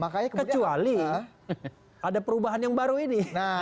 kecuali ada perubahan yang baru ini